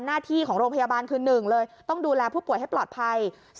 หน้าที่ของโรงพยาบาลคือ๑เลยต้องดูแลผู้ป่วยให้ปลอดภัย